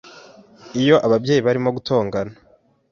Iyo ababyeyi barimo gutongana